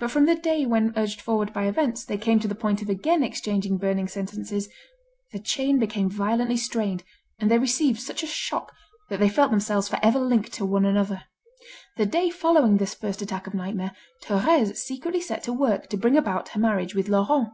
But from the day when urged forward by events, they came to the point of again exchanging burning sentences, the chain became violently strained, and they received such a shock, that they felt themselves for ever linked to one another. The day following this first attack of nightmare, Thérèse secretly set to work to bring about her marriage with Laurent.